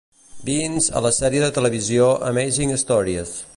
Beanes a la sèrie de televisió "Amazing Stories".